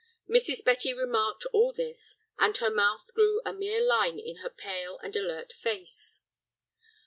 Mrs. Betty remarked all this, and her mouth grew a mere line in her pale and alert face.